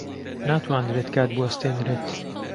ناتوانرێت کات بوەستێنرێت.